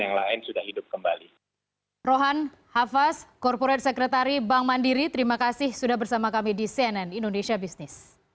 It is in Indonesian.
yang lain sudah hidup kembali